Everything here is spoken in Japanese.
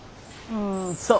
うんそう。